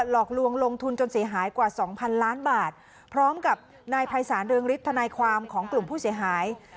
หลอกลวงลงทุนจนเสียหายกว่าสองพันล้านบาทพร้อมกับนายภัยศาลเรืองฤทธนายความของกลุ่มผู้เสียหาย